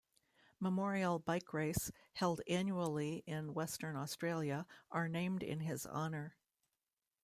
Memorial Bike Race, held annually in Western Australia, are named in his honour.